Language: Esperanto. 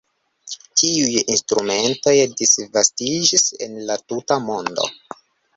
Tiuj instrumentoj disvastiĝis en la tuta mondo.